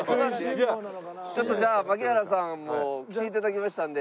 ちょっとじゃあ槙原さんも来ていただきましたんで。